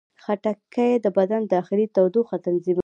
خټکی د بدن داخلي تودوخه تنظیموي.